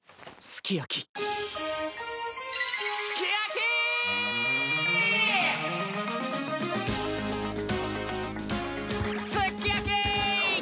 すっき焼き！